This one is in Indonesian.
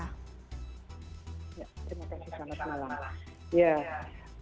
terima kasih sama sama